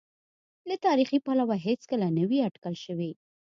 له تاریخي پلوه هېڅکله نه وې اټکل شوې.